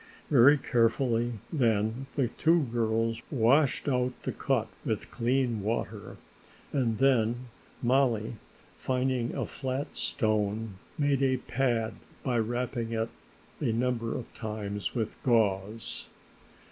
Very carefully then the two girls washed out the cut with clean water and then Mollie, finding a flat stone, made a pad by wrapping it a number of times with gauze.